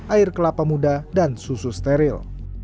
air kelapa muda dan susu steril